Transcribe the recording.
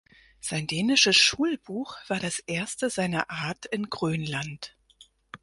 Sein dänisches Schulbuch war das erste seiner Art in Grönland.